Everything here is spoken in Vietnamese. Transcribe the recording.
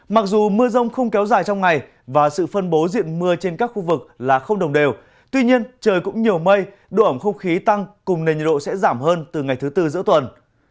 mặc dù mưa rông không kéo dài trong ngày và sự phân bố diện mưa trên các khu vực là không đồng đều tuy nhiên trời cũng nhiều mây độ ẩm không khí tăng cùng nền nhiệt độ sẽ giảm hơn từ ngày thứ tư giữa tuần